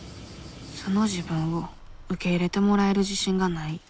素の自分を受け入れてもらえる自信がない。